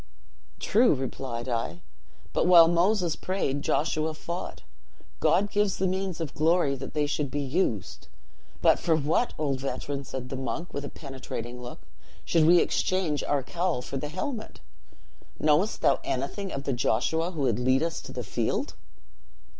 'True,' replied I, 'but while Moses prayed Joshua fought. God gives the means of glory that they should be used.' 'But for what, old veteran,' said the monk, with a penetrating look, 'should we exchange our cowl for the helmet? knowest thou anything of the Joshua who would lead us to the field?'